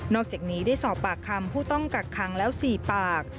อกจากนี้ได้สอบปากคำผู้ต้องกักขังแล้ว๔ปาก